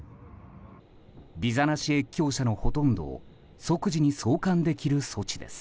ビザなし越境者のほとんどを即時に送還できる措置です。